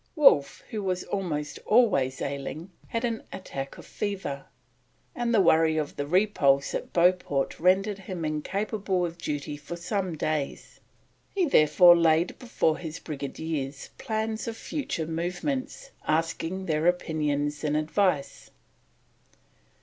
Wolfe, who was almost always ailing, had an attack of fever, and the worry of the repulse at Beauport rendered him incapable of duty for some days; he therefore laid before his Brigadiers plans of future movements, asking their opinions and advice.